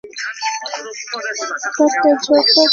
该微压波可能产生令人非常不愉悦的微压波噪音。